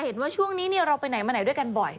ช่วงนี้เราไปไหนมาไหนด้วยกันบ่อย